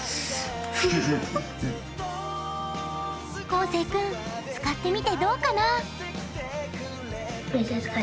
こうせいくん使ってみてどうかな？